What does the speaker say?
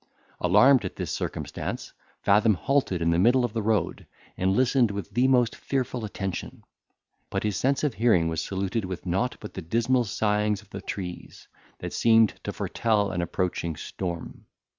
Alarmed at this circumstance, Fathom halted in the middle of the road, and listened with the most fearful attention; but his sense of hearing was saluted with nought but the dismal sighings of the trees, that seemed to foretell an approaching storm.